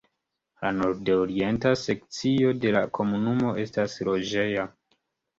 La nordorienta sekcio de la komunumo estas loĝeja.